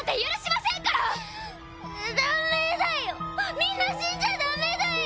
みんな死んじゃダメだよ！